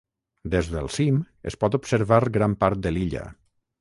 Des del cim es pot observar gran part de l'illa.